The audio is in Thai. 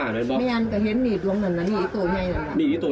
อันนี้บรมมีดเยานี่บรมมีดเดี๋ยวนะ